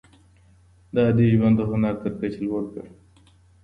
ده عادي ژوند د هنر تر کچې لوړ کړ.